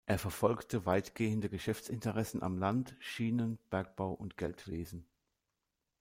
Er verfolgte weitgehende Geschäftsinteressen am Land, Schienen, Bergbau und Geldwesen.